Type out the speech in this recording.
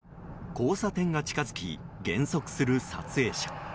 交差点が近づき減速する撮影者。